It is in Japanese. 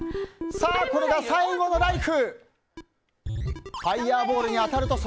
これが最後のライフ。